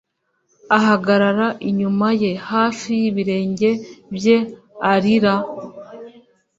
ahagarara inyuma ye hafi y ibirenge bye arira